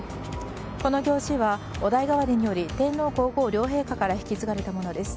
この行事はお代替わりにより天皇・皇后両陛下から引き継がれたものです。